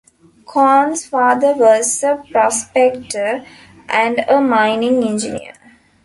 Cone's father was a prospector and a mining engineer.